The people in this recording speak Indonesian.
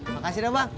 makasih dah bang